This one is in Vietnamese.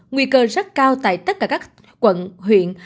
nguy cơ rất cao tại tất cả các quận huyện